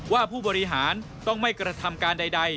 ผู้บริหารต้องไม่กระทำการใด